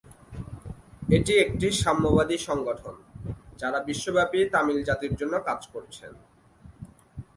এটি একটি সাম্যবাদী সংগঠন; যারা বিশ্বব্যাপী তামিল জাতির জন্য কাজ করছেন।